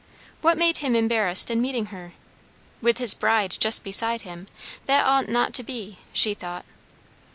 What made him embarrassed in meeting her? With his bride just beside him, that ought not to be, she thought.